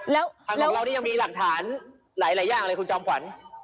แล้วทางของเรานี่ยังมีหลักฐานหลายอย่างเลยคุณจอมขวัญ